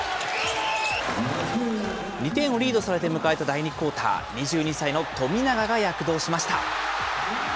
２点をリードされて迎えた第２クオーター、２２歳の富永が躍動しました。